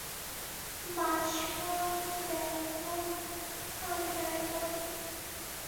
বাঁশবন, বেতবন, খাগড়ার বন।